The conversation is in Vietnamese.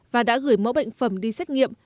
và đã gửi mẫu bệnh phẩm đi xét nghiệm